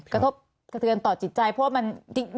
กระทบกระเทือนต่อจิตใจเพราะว่ามัน